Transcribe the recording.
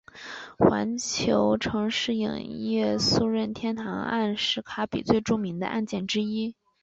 环球城市影业诉任天堂案是卡比最著名的案件之一。